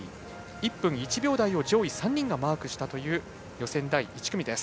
１分１秒台を上位３人がマークしたという予選第１組です。